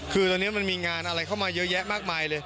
คือตอนนี้มันมีงานอะไรเข้ามาเยอะแยะมากมายเลย